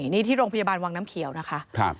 นี่ที่โรงพยาบาลวังน้ำเขียวนะคะ